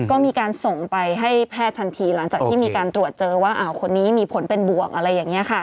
ก็มีการส่งไปให้แพทย์ทันทีหลังจากที่มีการตรวจเจอว่าคนนี้มีผลเป็นบวกอะไรอย่างนี้ค่ะ